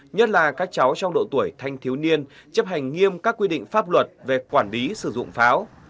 nhất là các cháu trong độ tuổi thanh thiếu niên chấp hành nghiêm các quy định pháp luật về quản lý sử dụng pháo